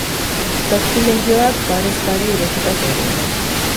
Zazpi leihoak parez pare irekita zeuden.